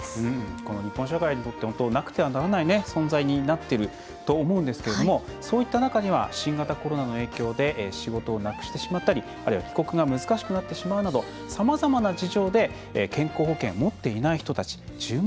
この日本社会にとってなくてはならない存在になっていると思うんですけどもそういった中には新型コロナの影響で仕事をなくしてしまったりあるいは帰国が難しくなってしまうなどさまざまな事情で健康保険を持っていない人たち１０万